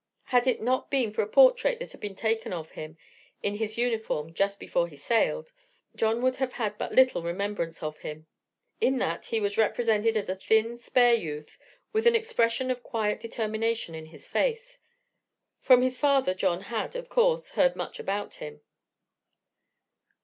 Had it not been for a portrait that had been taken of him in his uniform just before he sailed, John would have had but little remembrance of him. In that he was represented as a thin, spare youth, with an expression of quiet determination in his face. From his father John had, of course, heard much about him.